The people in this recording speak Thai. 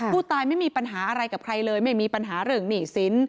ผู้ตายไม่มีปัญหาอะไรกับใครเลยไม่มีปัญหาเรื่องหนี้สิน